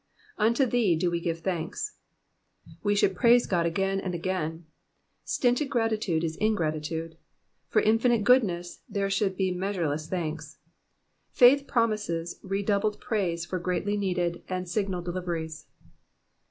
Uhto thee do iM give thanks.''^ We should praise Qod again and again. Stinted gratitude 13 ingratitude. For infinite goodness there should be measureless thanks. Faith promises redoubled praise for greatly needed and signal deliverances.